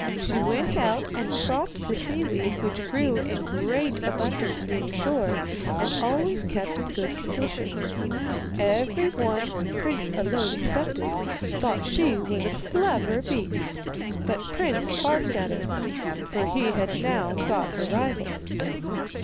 She went out and cropped the seaweed which grew in great abundance near the shore, and always kept in good condition. Every one Prince alone excepted, thought she was a clever beast; but Prince barked at her, for he had now got a rival.